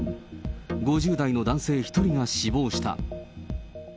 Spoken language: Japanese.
５０代の男性１人が死亡した。